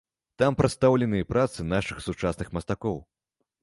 Там прадстаўленыя працы нашых сучасных мастакоў.